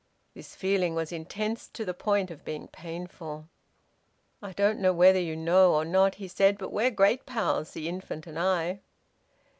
This feeling was intense to the point of being painful. "I don't know whether you know or not," he said, "but we're great pals, the infant and I."